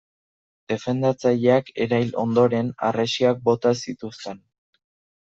Defendatzaileak erail ondoren, harresiak bota zituzten.